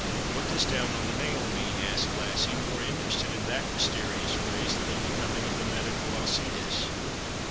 " What does ' down on the nail ' mean ?" asked Lassie, more interested in that mysterious phrase than in the coming of the medical Alcides.